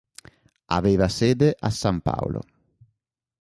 Aveva sede a San Paolo.